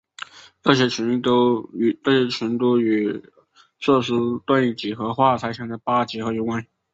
这些群都与瑟斯顿几何化猜想的八几何有关。